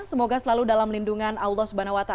semoga selalu dalam lindungan allah swt